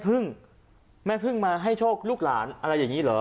คือมันอึ้งบนวันนี้มันรอที่๑คือ๕๑๖๙๖๗